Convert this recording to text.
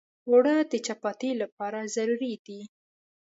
اوړه د چپاتي لپاره ضروري دي